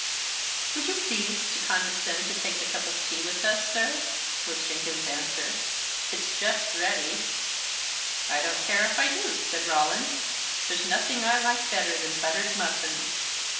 "Would you please to condescend to take a cup of tea with us, sir?" was Jenkins's answer. "It is just ready." "I don't care if I do," said Roland. "There's nothing I like better than buttered muffins.